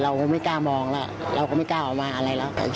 เราก็ไม่กล้ามองแล้วเราก็ไม่กล้าออกมาอะไรแล้ว